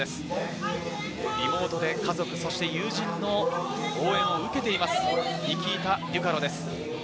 リモートで家族、そして友人の応援を受けています。